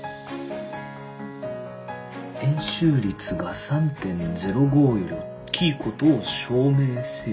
「円周率が３．０５より大きいことを証明せよ」？